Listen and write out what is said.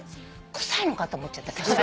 臭いのかと思っちゃった。